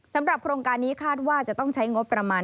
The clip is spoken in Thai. สำหรับโครงการนี้คาดว่าจะต้องใช้งบประมาณ